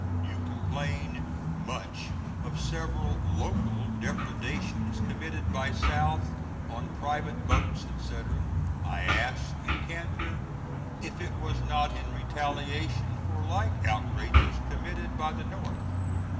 You complain much of several (local) depredations com^td by South on private boats &c. I ask, in candor, if it was not in retaliation for like outrages com^td by the North.